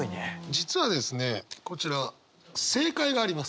実はですねこちら正解があります。